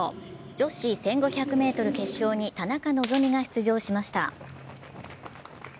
女子１５００ｍ決勝に田中希実が出場しました。